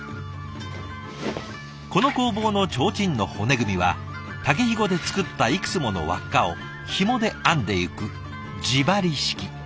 この工房の提灯の骨組みは竹ひごで作ったいくつもの輪っかをひもで編んでいく地張り式。